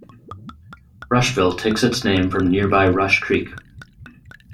Rushville takes its name from nearby Rush Creek.